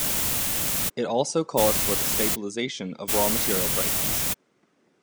It also called for the stabilization of raw material prices.